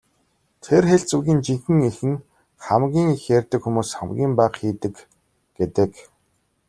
Тэр хэлц үгийн жинхэнэ эх нь "хамгийн их ярьдаг хүмүүс хамгийн бага хийдэг" гэдэг.